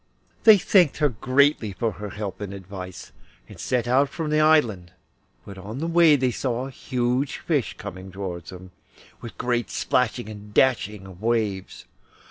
They thanked her greatly for her help and advice, and set out from the island, but on the way they saw a huge fish coming towards them, with great splashing and dashing of waves.